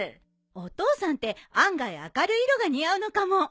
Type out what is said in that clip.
お父さんって案外明るい色が似合うのかも。